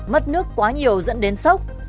mất nước quá nhiều dẫn đến sốc